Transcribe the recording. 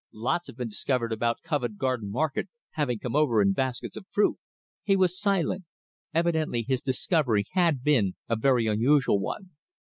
Lots have been discovered about Covent Garden Market, having come over in baskets of fruit." He was silent. Evidently his discovery had been a very unusual one.